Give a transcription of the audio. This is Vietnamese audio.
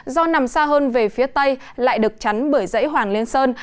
do nằm xa hơn về phía tây lại được chắn bởi dãy hoàng lên sơn